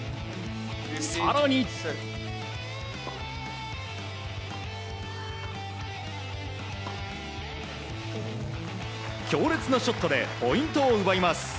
更に、強烈なショットでポイントを奪います。